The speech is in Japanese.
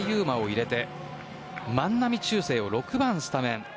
馬を入れて万波中正を６番スタメン。